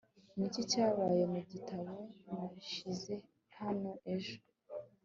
ni iki cyabaye mu gitabo nashyize hano ejo